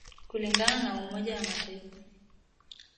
kulingana na umoja wa mataifa